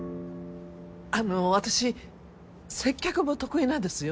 あの私接客も得意なんですよ